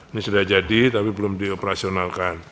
ini sudah jadi tapi belum dioperasionalkan